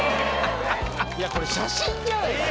これ写真じゃないですか。